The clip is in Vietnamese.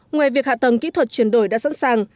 ngoài việc hạ tầng kỹ thuật chuyển đổi đã sẵn sàng